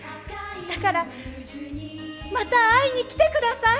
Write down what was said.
だからまた会いに来て下さい。